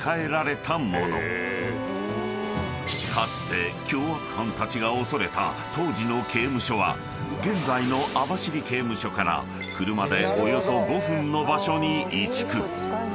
［かつて凶悪犯たちが恐れた当時の刑務所は現在の網走刑務所から車でおよそ５分の場所に移築］